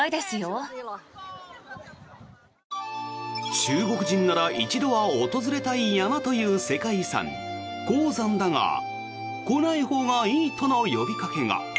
中国人なら一度は訪れたい山という世界遺産、黄山だが来ないほうがいいとの呼びかけが。